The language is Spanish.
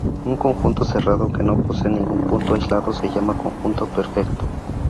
Un conjunto cerrado que no posee ningún punto aislado se llama conjunto perfecto.